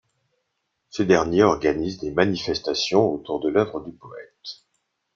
Ce dernier organise des manifestations autour de l'œuvre du poète.